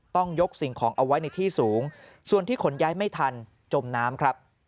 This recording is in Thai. ต้องยกสิ่งของเอาไว้ในที่สูงส่วนที่ขนย้ายไม่ทันจมน้ำครับ